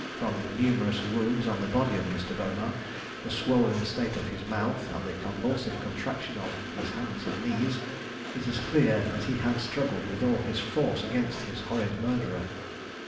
From the numerous wounds on the body of Mr. Bonar, the swollen state of his mouth, and the convulsive contraction of his hands and knees, it is clear that he had struggled with all his force against his horrid murderer.